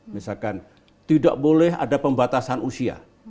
misalkan tidak boleh ada pembatasan usia